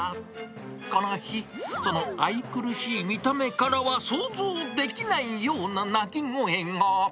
この日、その愛くるしい見た目からは想像できないような鳴き声が。